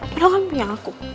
padahal kamu punya aku